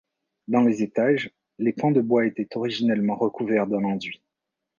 Dans les étages, les pans de bois étaient originellement recouverts d'un enduit.